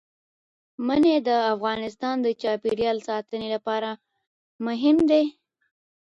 منی د افغانستان د چاپیریال ساتنې لپاره مهم دي.